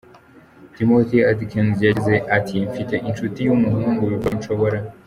Timothy Atkins yagize ati Mfite inshuti yumuhungu bivuga ko nshobora.